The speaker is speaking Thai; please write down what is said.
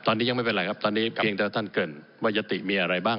ตอนนี้ยังไม่เป็นไรครับตอนนี้เพียงแต่ท่านเกิดว่ายติมีอะไรบ้าง